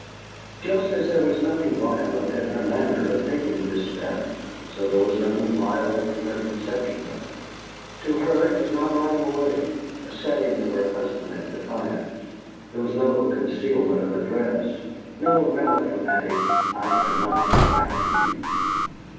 Just as there was nothing violent in her manner of taking this step, so there was nothing violent in her conception of it. To her it was not running away, a setting of her husband at defiance; there was no concealment of address, no melodramatic "I cannot come back to you."